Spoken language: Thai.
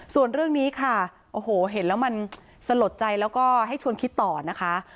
ส่วนเรื่องนี้ค่ะโอ้โหเห็นแล้วมันสลดใจแล้วก็ให้ชวนคิดต่อนะคะ